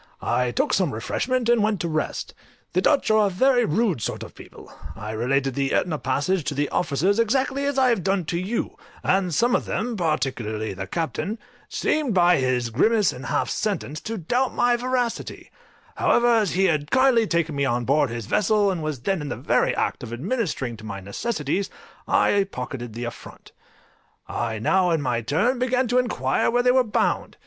I took some refreshment, and went to rest. The Dutch are a very rude sort of people; I related the Etna passage to the officers, exactly as I have done to you, and some of them, particularly the Captain, seemed by his grimace and half sentence to doubt my veracity; however, as he had kindly taken me on board his vessel, and was then in the very act of administering to my necessities, I pocketed the affront. I now in my turn began to inquire where they were bound?